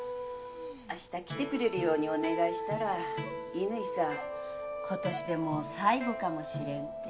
あした来てくれるようにお願いしたら乾さん今年でもう最後かもしれんって。